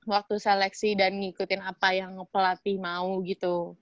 waktu seleksi dan ngikutin apa yang pelatih mau gitu